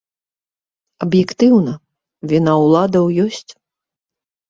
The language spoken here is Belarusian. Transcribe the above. Аб'ектыўна, віна ўладаў ёсць.